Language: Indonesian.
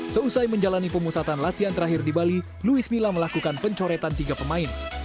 seusai menjalani pemusatan latihan terakhir di bali louis mila melakukan pencoretan tiga pemain